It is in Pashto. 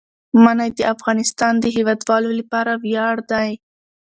منی د افغانستان د هیوادوالو لپاره ویاړ دی.